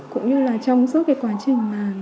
cũng như là trong suốt quá trình